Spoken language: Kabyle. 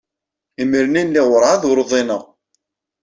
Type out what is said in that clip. Imir-nni lliɣ werɛad ur uḍineɣ.